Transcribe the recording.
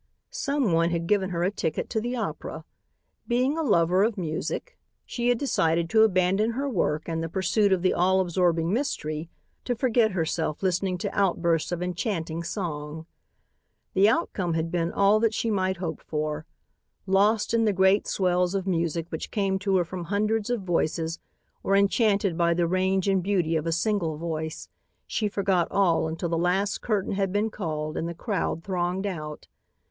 Someone had given her a ticket to the opera. Being a lover of music, she had decided to abandon her work and the pursuit of the all absorbing mystery, to forget herself listening to outbursts of enchanting song. The outcome had been all that she might hope for. Lost in the great swells of music which came to her from hundreds of voices or enchanted by the range and beauty of a single voice, she forgot all until the last curtain had been called and the crowd thronged out.